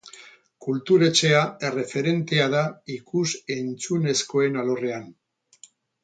Kultur Etxea erreferentea da ikus-entzunezkoen alorrean.